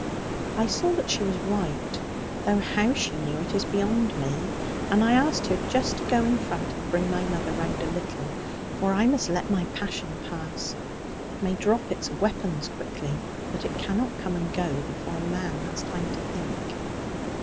I saw that she was right; though how she knew it is beyond me; and I asked her just to go in front, and bring my mother round a little. For I must let my passion pass: it may drop its weapons quickly; but it cannot come and go, before a man has time to think.